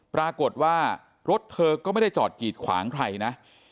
ปรากฏว่ารถเธอก็ไม่ได้จอดกีดขวางใครนะ